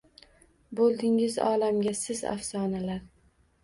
Bo‘ldingiz olamga siz afsonalar